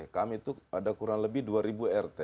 kami itu ada kurang lebih dua ribu rt